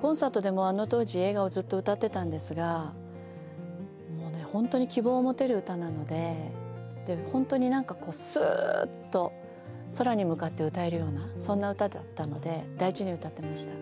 コンサートでもあの当時「笑顔」ずっと歌ってたんですが本当に希望を持てる歌なので本当になんかこうスーッと空に向かって歌えるようなそんな歌だったので大事に歌ってました。